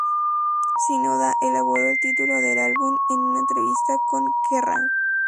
Shinoda elaboró el título del álbum en una entrevista con "Kerrang!